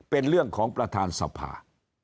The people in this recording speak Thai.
เป็นเรื่องของประธานสภา